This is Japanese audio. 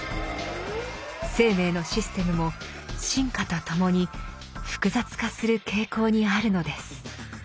生命のシステムも進化とともに複雑化する傾向にあるのです。